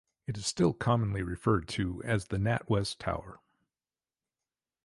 It is still commonly referred to as the NatWest Tower.